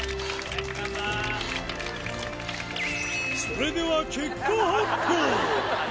それでは結果発表。